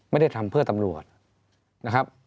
ไม่ได้ทำเพื่อตำรวจนะครับ